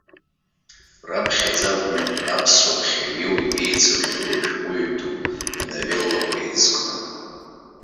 Раԥхьаӡа акәны аԥсуа ԥхьаҩ иоуит еицырдыруа ашәҟәыҩҩы ду иновеллақәа еизакны.